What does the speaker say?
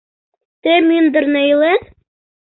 — Тый мӱндырнӧ илет?